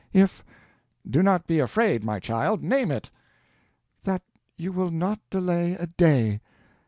If—" "Do not be afraid, my child—name it." "That you will not delay a day.